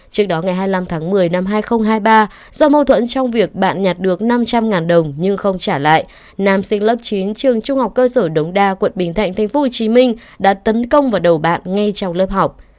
trước đó ngày hai mươi năm tháng một mươi năm hai nghìn hai mươi ba do mâu thuẫn trong việc bạn nhặt được năm trăm linh đồng nhưng không trả lại nam sinh lớp chín trường trung học cơ sở đống đa quận bình thạnh tp hcm đã tấn công vào đầu bạn ngay trong lớp học